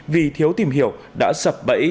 vì thiếu tìm hiểu đã sập bẫy